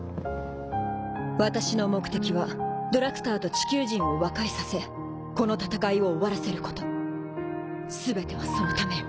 私の目的はドラクターと地球人を和解させ海寮錣い鮟錣蕕擦襪海全てはそのためよ